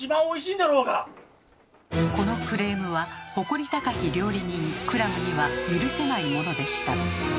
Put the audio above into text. このクレームは誇り高き料理人クラムには許せないものでした。